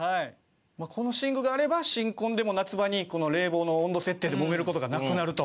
この寝具があれば新婚でも夏場に冷房の温度設定でもめる事がなくなると。